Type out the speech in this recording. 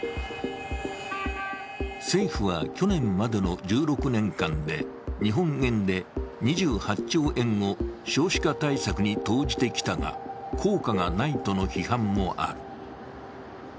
政府は去年までの１６年間で日本円で２８兆円を少子化対策に投じてきたが、効果がないとの批判もある。